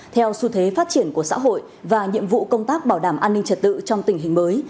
theo xu thế phát triển của xã hội và nhiệm vụ công tác bảo đảm an ninh trật tự trong tình hình mới